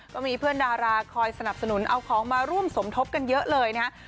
ก็มีเพื่อนดาราคอยสนับสนุนเอาของมาร่วมสมทบกันเยอะเลยนะฮะ